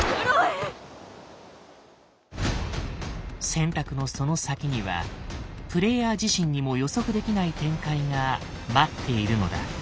選択のその先にはプレイヤー自身にも予測できない展開が待っているのだ。